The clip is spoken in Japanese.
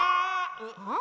うん？